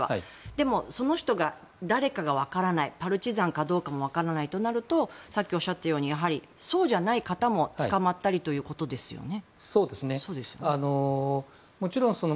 でも、その人が誰かがわからないパルチザンかどうかもわからないとなるとさっきおっしゃったようにやはりそうじゃない方も捕まったりということですよね。